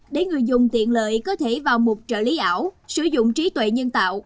để người dùng tiện lợi có thể vào mục trợ lý ảo sử dụng trí tuệ nhân tạo